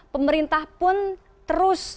pemerintah pun terus